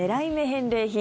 返礼品。